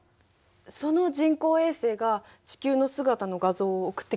その人工衛星が地球の姿の画像を送ってきたの？